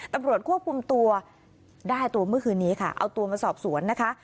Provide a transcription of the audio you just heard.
ตำรวจควบคุมตัวได้ตัวเมื่อคืนนี้ค่ะเอาตัวมาสอบสวนนะคะ